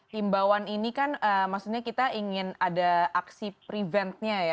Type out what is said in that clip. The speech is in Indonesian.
himbauan ini kan maksudnya kita ingin ada aksi preventnya ya